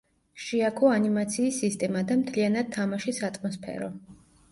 შეაქო ანიმაციის სისტემა და მთლიანად თამაშის ატმოსფერო.